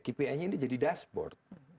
kpi nya ini jadi dashboard